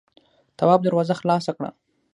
تواب دروازه خلاصه کړه.